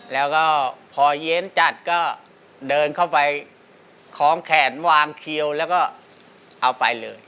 แล้วก็พอเย็นจัดก็เดินเข้าไปคล้องแขนวางเขียวแล้วก็เอาไปเลย